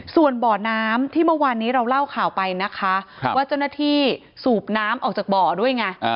ส่วนบ่อน้ำที่เมื่อวานนี้เราเล่าข่าวไปนะคะว่าเจ้าหน้าที่สูบน้ำออกจากบ่อด้วยไง